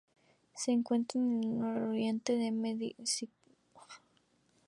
Se encuentra en el Nororiente del municipio de Medellín.